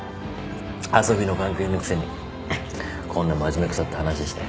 遊びの関係のくせにこんな真面目くさった話して。